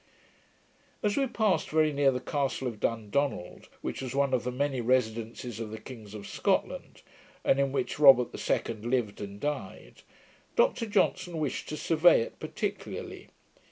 As we passed very near the castle of Dundonald, which was one of the many residencies of the kings of Scotland, and in which Robert the Second lived and died, Dr Johnson wished to survey it particularly.